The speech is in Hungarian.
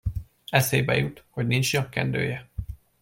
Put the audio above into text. Eszébe jut, hogy nincs nyakkendője.